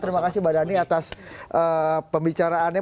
terima kasih badani atas pembicaraannya